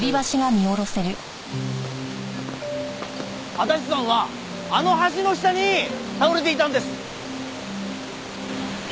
足立さんはあの橋の下に倒れていたんです。